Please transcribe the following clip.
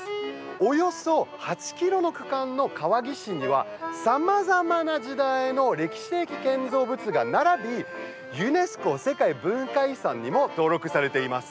およそ８ｋｍの区間の川岸にはさまざまな時代の歴史的建造物が並びユネスコ世界文化遺産にも登録されています。